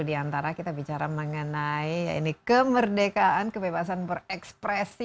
di antara kita bicara mengenai kemerdekaan kebebasan berekspresi